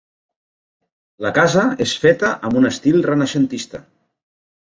La casa és feta amb un estil renaixentista.